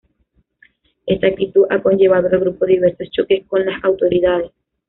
Esta actitud ha conllevado al grupo diversos choques con las autoridades.